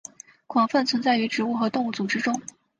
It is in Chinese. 广泛存在于植物和动物组织中。